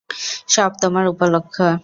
সব তোমার উপলক্ষে।